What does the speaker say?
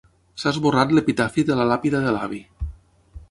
S'ha esborrat l'epitafi de la làpida de l'avi.